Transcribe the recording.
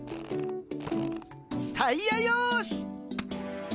タイヤよし。